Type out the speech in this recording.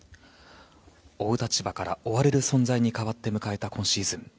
追う立場から追われる存在に変わって迎えた今シーズン。